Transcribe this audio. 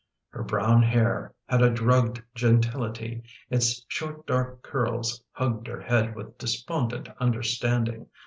Her brown hair had a drugged gentility: its short dark curls hugged her head with despondent understanding.